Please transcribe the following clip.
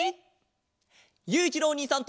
ゆういちろうおにいさんと。